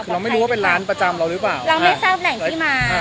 คือเราไม่รู้ว่าเป็นร้านประจำเราหรือเปล่าเราไม่ทราบแหล่งที่มา